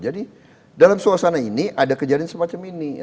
jadi dalam suasana ini ada kejadian semacam ini